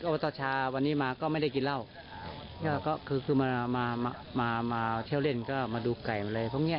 ตาชาวันนี้มาก็ไม่ได้กินเหล้าก็คือคือมามาเที่ยวเล่นก็มาดูไก่อะไรพวกเนี้ย